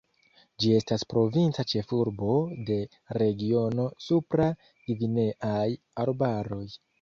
Ĝi estas provinca ĉefurbo de regiono Supra-Gvineaj arbaroj.